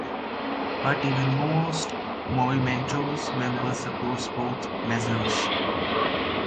But even most Movimiento members supported both measures.